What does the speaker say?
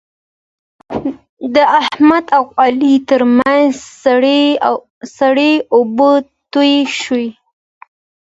د احمد او علي ترمنځ سړې اوبه تویې شوې.